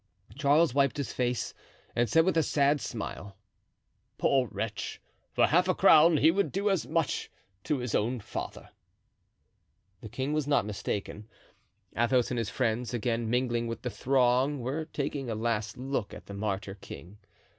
Charles wiped his face and said with a sad smile: "Poor wretch, for half a crown he would do as much to his own father." The king was not mistaken. Athos and his friends, again mingling with the throng, were taking a last look at the martyr king.